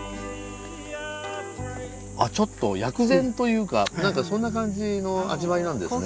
あちょっと薬膳というか何かそんな感じの味わいなんですね。